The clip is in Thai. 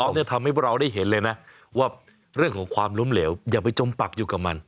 เนี่ยทำให้เราได้เห็นเลยนะว่าเรื่องของความล้มเหลวอย่าไปจมปักอยู่กับมัน